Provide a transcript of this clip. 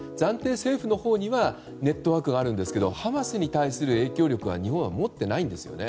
そちらのほうにはネットワークがありますがハマスに対する影響力は日本は持っていないんですよね。